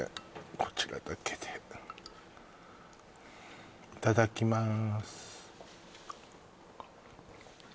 こちらだけでいただきまーす